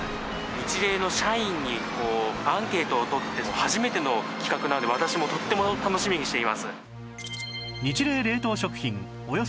ニチレイの社員にアンケートを取って初めての企画なので私もとても楽しみにしています。